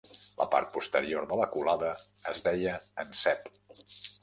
La part posterior de la culada es deia encep.